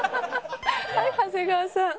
はい長谷川さん。